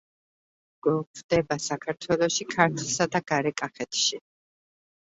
გვხვდება საქართველოში ქართლსა და გარეკახეთში.